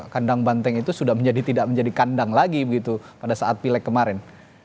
kandang banteng itu sudah tidak menjadi kandang lagi begitu pada saat pileg kemarin